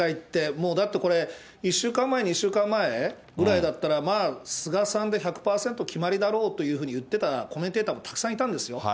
もうだってこれ、１週間前、２週間前ぐらいだったら、まあ、菅さんで１００％決まりだろうというふうに言ってたコメンテーターもたくさんいたんですよ。